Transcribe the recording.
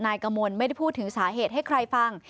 กระมวลไม่ได้พูดถึงสาเหตุให้ใครฟัง